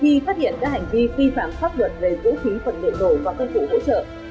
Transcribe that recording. khi phát hiện các hành vi vi phạm pháp luật về vũ khí vật liệu nổ và công cụ hỗ trợ